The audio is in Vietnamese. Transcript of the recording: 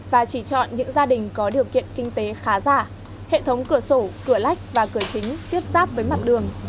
và quảng ninh hai vụ